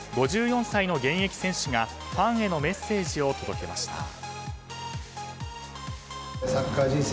５４歳の現役選手がファンへのメッセージを届けました。